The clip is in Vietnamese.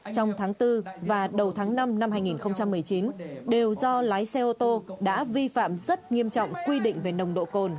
đầu tháng năm năm hai nghìn một mươi chín đều do lái xe ô tô đã vi phạm rất nghiêm trọng quy định về nồng độ cồn